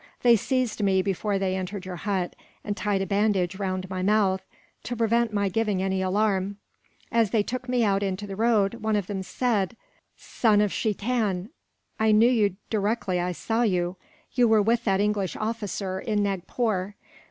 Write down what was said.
"They seized me before they entered your hut, and tied a bandage round my mouth, to prevent my giving any alarm. As they took me out into the road, one of them said: "'Son of Sheitan, I knew you directly I saw you. You were with that English officer, in Nagpore.